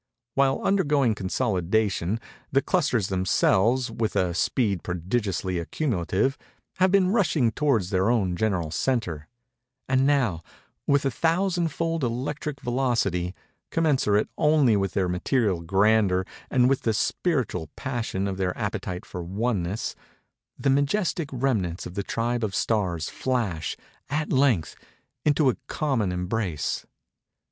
While undergoing consolidation, the clusters themselves, with a speed prodigiously accumulative, have been rushing towards their own general centre—and now, with a thousand fold electric velocity, commensurate only with their material grandeur and with the spiritual passion of their appetite for oneness, the majestic remnants of the tribe of Stars flash, at length, into a common embrace.